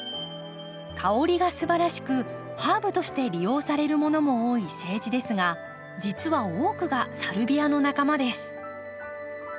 香りがすばらしくハーブとして利用されるものも多いセージですが実は多くがサルビアの仲間です。